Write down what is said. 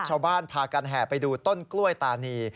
ชาวบ้านพากันแห่ไปดูต้นกล้วยตานี